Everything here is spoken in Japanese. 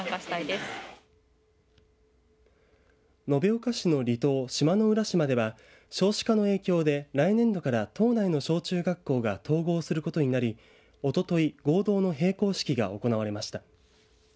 延岡市の離島、島野浦島では少子化の影響で来年度から島内の小中学校が統合することになりおととい合同の閉校式が行われました。